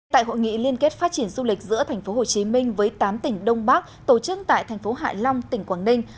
tại hội nghị liên kết phát triển du lịch giữa tp hcm với tám tỉnh đông bắc tổ chức tại tp hải long tỉnh quảng ninh